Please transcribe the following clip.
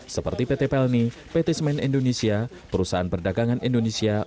seperti pt pelni pt semen indonesia perusahaan perdagangan indonesia